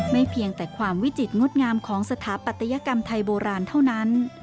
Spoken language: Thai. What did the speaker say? เพียงแต่ความวิจิตรงดงามของสถาปัตยกรรมไทยโบราณเท่านั้น